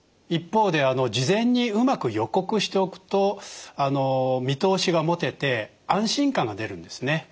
一方で事前にうまく予告しておくと見通しが持てて安心感が出るんですね。